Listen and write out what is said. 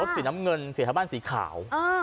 สีน้ำเงินสีธบ้านสีขาว